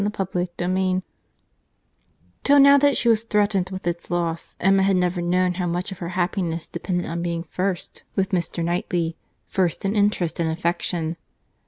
CHAPTER XII Till now that she was threatened with its loss, Emma had never known how much of her happiness depended on being first with Mr. Knightley, first in interest and affection.